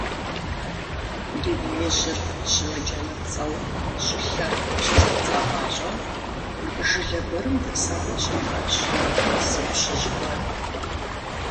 Дунеижьыр щымыджэмыпцӀэу щӀылъэр щызэпцӀагъащӀэм жылэ гуэрым дэсауэ щытащ зы пщыжь гуэр.